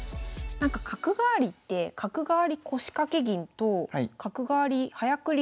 なんか角換わりって角換わり腰掛け銀と角換わり早繰り